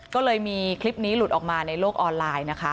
ก็เลยมีคลิปนี้หลุดออกมาในโลกออนไลน์นะคะ